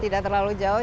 tidak terlalu jauh